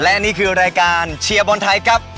และนี่คือรายการเชียร์บอลไทยครับ